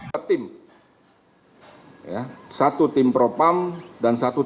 satu tim propam dan satu tim penyelenggara